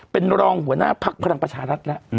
เป็นรองหัวหน้าภักดิ์พลังประชารัฐแล้ว